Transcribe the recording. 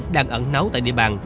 đang ẩn nấu tại địa bàn